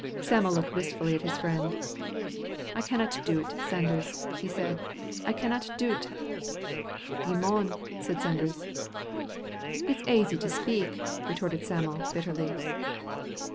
Sam'l looked wistfully at his friend. "I canna do't, Sanders," he said, "I canna do't." "Ye maun," said Sanders. "It's aisy to speak," retorted Sam'l, bitterly.